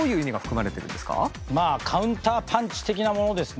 まあカウンターパンチ的なものですね。